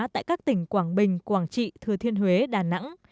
tại các tỉnh quảng bình quảng trị thừa thiên huế đà nẵng